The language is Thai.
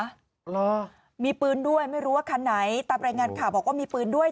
เหรอมีปืนด้วยไม่รู้ว่าคันไหนตามรายงานข่าวบอกว่ามีปืนด้วย